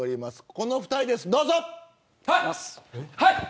この２人です、どうぞ。